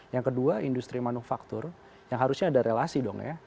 yang kedua industri manufaktur yang harusnya ada relasi dong ya